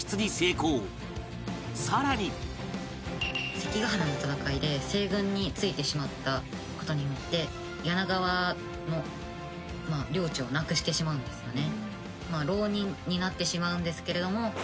関ヶ原の戦いで西軍についてしまった事によって柳川の領地をなくしてしまうんですよね。